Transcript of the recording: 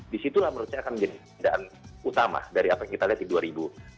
disitulah menurut saya akan menjadi pindahan utama dari apa yang kita lihat di dua ribu dua puluh